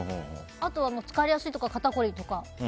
あとは、疲れやすいとか肩こりとか。